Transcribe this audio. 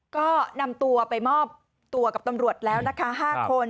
ก็นำตัวไปมอบตัวกับตำรวจแล้วนะคะ๕คน